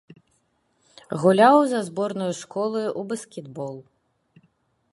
Гуляў за зборную школы ў баскетбол.